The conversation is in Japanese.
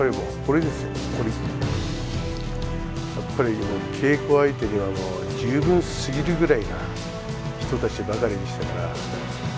初代若乃花の稽古相手には十分すぎるぐらいな人たちばかりでしたから。